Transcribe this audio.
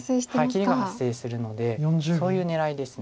切りが発生するのでそういう狙いです。